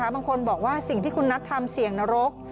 บางคนบอกว่าสิ่งที่คุณนัททำเสี่ยงนรก